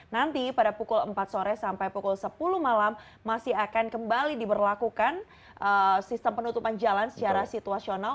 nanti pada pukul empat sore sampai pukul sepuluh malam masih akan kembali diberlakukan sistem penutupan jalan secara situasional